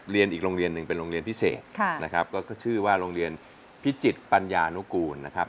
อีกโรงเรียนหนึ่งเป็นโรงเรียนพิเศษนะครับก็ชื่อว่าโรงเรียนพิจิตรปัญญานุกูลนะครับ